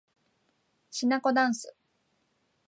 しなこだんす